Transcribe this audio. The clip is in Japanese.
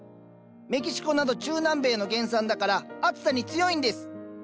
メキシコなど中南米の原産だから暑さに強いんです。